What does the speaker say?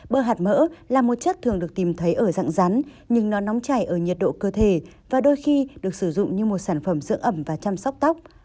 bơ hạt mỡ là một chất thường được tìm thấy ở dạng rắn nhưng nó nóng chảy ở nhiệt độ cơ thể và đôi khi được sử dụng như một sản phẩm dưỡng ẩm và chăm sóc tóc